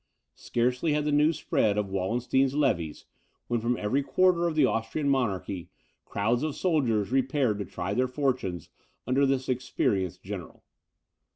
Scarcely had the news spread of Wallenstein's levies, when, from every quarter of the Austrian monarchy, crowds of soldiers repaired to try their fortunes under this experienced general.